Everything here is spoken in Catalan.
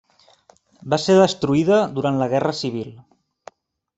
Va ser destruïda durant la Guerra Civil.